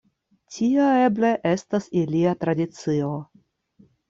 Tia, eble, estas ilia tradicio.